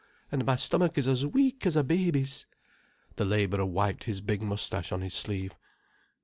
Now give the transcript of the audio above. And my stomach is as weak as a baby's." The labourer wiped his big moustache on his sleeve.